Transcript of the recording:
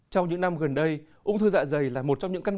trong những năm gần đây ung thư dạ dày là một trong những căn